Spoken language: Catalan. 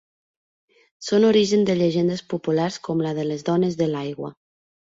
Són origen de llegendes populars com la de les dones de l'aigua.